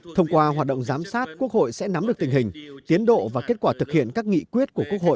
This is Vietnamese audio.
thông qua hoạt động giám sát quốc hội sẽ nắm được tình hình tiến độ và kết quả thực hiện các nghị quyết của quốc hội